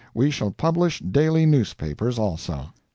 We shall publish daily newspapers also.